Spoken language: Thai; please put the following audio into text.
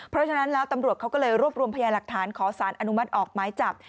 เพราะฉะนั้นแล้วตำรวจเขาก็เลยรวบรวมพยาหลักฐานขอสารอนุมัติออกไม้จับ